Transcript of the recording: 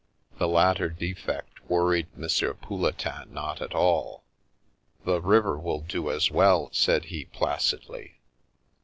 The latter defect worried M. Pouletin not at all. " The river will do as well," said he, placidly.